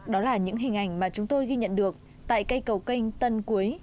đó là những hình ảnh mà chúng tôi ghi nhận được tại cây cầu kênh tân quế